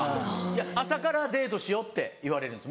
朝からデートしようって言われるんです